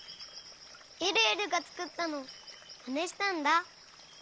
えるえるがつくったのをまねしたんだ。